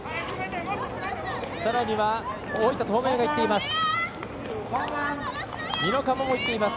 さらには大分、東明がいっています。